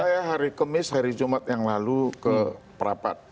saya hari kemis hari jumat yang lalu ke perapat